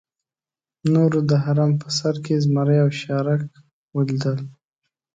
نورو د هرم په سر کې زمري او شارک ولیدل.